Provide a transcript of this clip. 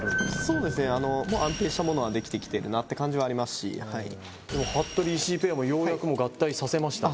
そうですねもう安定したものはできてきてるなって感じはありますしでも服部・石井ペアもようやくもう合体させましたね